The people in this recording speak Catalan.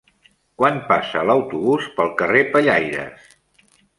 Quan passa l'autobús pel carrer Pellaires?